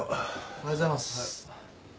おはようございます。